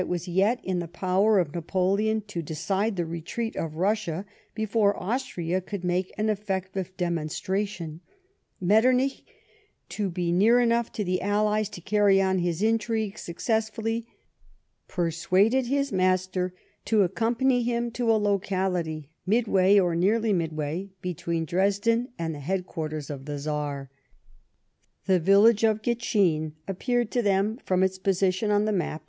105 was yet in the power of Napoleon to decide the retreat of Kussia before Austria could make an effective demon stration, Metternich, to be near enough to the allies to carry on his intrigues successfully, persuaded his master to accompaiiv him to a locality midway, or nearly midway, between Dresden and the headquarters of the Czar. The village of Gitschin appeared to them, from its position on the map.